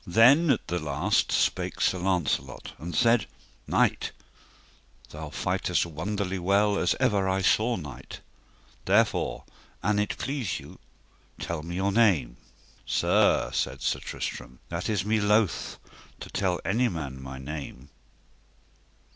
Then at the last spake Sir Launcelot and said: Knight, thou fightest wonderly well as ever I saw knight, therefore, an it please you, tell me your name. Sir, said Sir Tristram, that is me loath to tell any man my name.